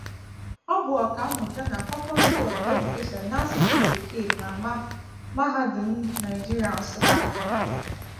O bu Oka mmuta na Faculty of Education na asusu bekee na Mahadum Nigeria Nsukka.